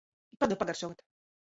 Padod pagaršot.